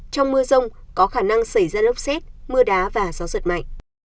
trong mưa rông có khả năng xảy ra lốc xét mưa đá và gió giật mạnh